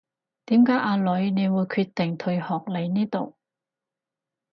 點解阿女你會決定退學嚟呢度